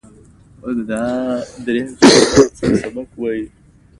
وروسته ورسره ښکلا هم ملګرې شوې ده.